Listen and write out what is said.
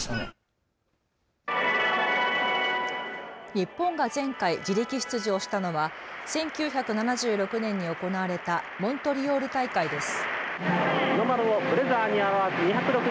日本が前回、自力出場したのは１９７６年に行われたモントリオール大会です。